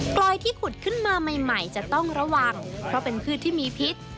ลอยที่ขุดขึ้นมาใหม่จะต้องระวังเพราะเป็นพืชที่มีพิษ